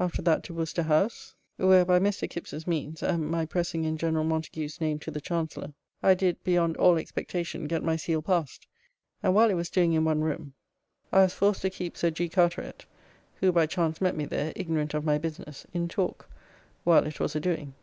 After that to Worcester House, where by Mr. Kipps's means, and my pressing in General Montagu's name to the Chancellor, I did, beyond all expectation, get my seal passed; and while it was doing in one room, I was forced to keep Sir G. Carteret (who by chance met me there, ignorant of my business) in talk, while it was a doing.